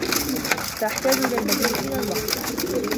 سأحتاج إلى المزيد من الوقت.